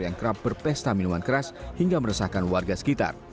yang kerap berpesta minuman keras hingga meresahkan warga sekitar